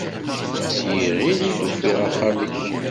S yiɣil i d-ufiɣ axxam-ik.